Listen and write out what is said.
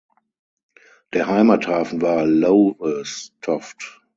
Der Heimathafen war Lowestoft.